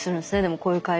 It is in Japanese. こういう会話を。